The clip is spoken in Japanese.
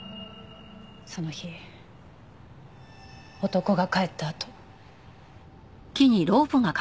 その日男が帰ったあと。